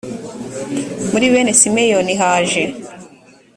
muri bene simeyoni haje